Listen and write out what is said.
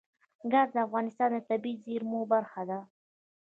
ګاز د افغانستان د طبیعي زیرمو برخه ده.